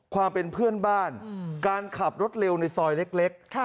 ความเป็นเพื่อนบ้านการขับรถเร็วในซอยเล็ก